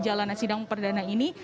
jalannya sindang perdana ini